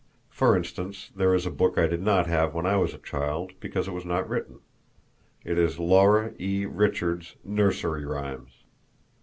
For instance, there is a book I did not have when I was a child because it was not written. It is Laura E. Richard's "Nursery Rhymes."